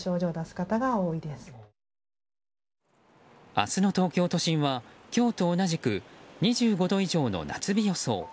明日の東京都心は今日と同じく２５度以上の夏日予想。